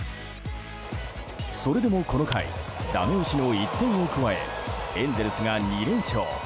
それでもこの回だめ押しの１点を加えエンゼルスが２連勝。